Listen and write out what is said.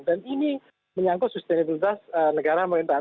dan ini menyangkut sustenabilitas negara pemerintahan